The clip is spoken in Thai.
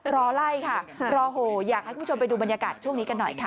รอไล่ค่ะรอโหอยากให้คุณผู้ชมไปดูบรรยากาศช่วงนี้กันหน่อยค่ะ